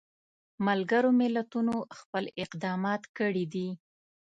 ملګرو ملتونو خپل اقدامات کړي دي.